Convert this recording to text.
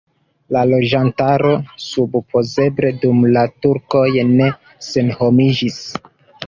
La loĝantaro supozeble dum la turkoj ne senhomiĝis.